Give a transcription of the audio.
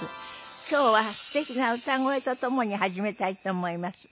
今日はすてきな歌声とともに始めたいと思います。